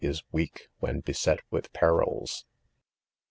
is weak when beset with perils.